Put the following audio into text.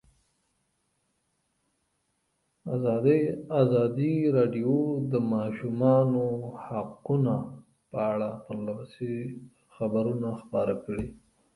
ازادي راډیو د د ماشومانو حقونه په اړه پرله پسې خبرونه خپاره کړي.